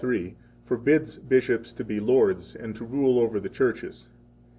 5:3, forbids bishops to be lords, and to rule over the churches.